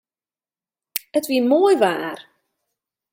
It wie moai waar.